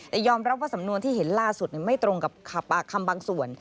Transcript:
แต่ยอมรับว่าสำนวนที่เห็นล่าสุดไม่ตรงกับปากคำบางส่วน